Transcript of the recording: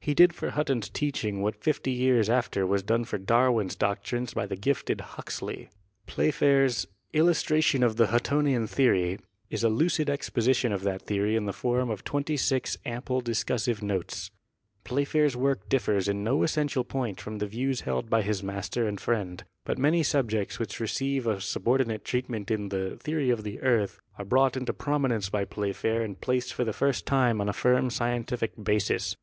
He did for Hutton's teaching what fifty years after was done for Darwin's doctrines by the gifted Huxley. Playfair's "Illustration of the Huttonian Theory" is a lucid exposition of that theory in the form of twenty six Fig. 8 — Model Showing Slip of Folded Strata. (Willis.) ample discussive notes. Playfair's work differs in no essential point from the views held by his master and friend, but many subjects which receive a subordinate treatment in the "Theory of the Earth" are brought into prominence by Playfair and placed for the first time on a firm scientific basis.